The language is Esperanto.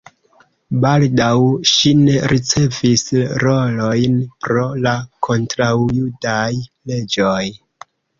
Baldaŭ ŝi ne ricevis rolojn pro la kontraŭjudaj leĝoj.